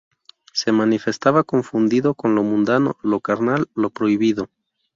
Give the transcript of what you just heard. Se manifestaba confundido con lo mundano, lo carnal, lo prohibido.